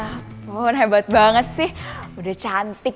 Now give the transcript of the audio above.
mohon hebat banget sih udah cantik